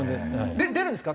出るんですか？